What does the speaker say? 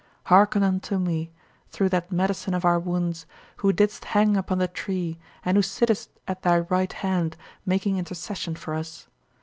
Hearken unto me, through that Medicine of our wounds, who didst hang upon the tree and who sittest at thy right hand "making intercession for us."